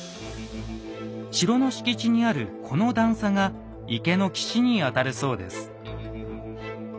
城の敷地にあるこの段差が池の岸にあたるそうです。